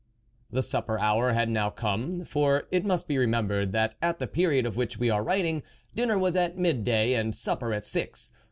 The supper hour had now come ; for it must be remembered, that at the period of which we are. writing, dinner was at mid day, and supper at six.